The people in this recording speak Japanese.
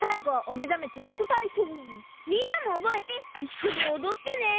みんなもおぼえていっしょにおどってね！